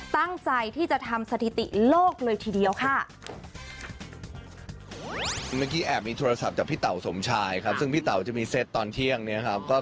ตั้งใจที่จะทำสถิติโลกเลยทีเดียวค่ะ